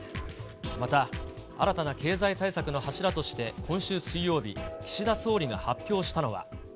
また、新たな経済対策の柱として今週水曜日、岸田総理が発表したのは。